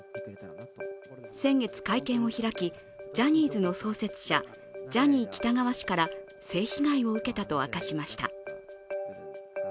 先月、会見を開き、ジャニーズの創設者・ジャニー喜多川氏から性被害を受けたと明かしました。